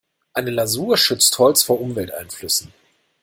Eine Lasur schützt Holz vor Umwelteinflüssen.